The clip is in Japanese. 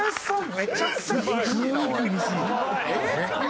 めちゃくちゃ厳しいなおい！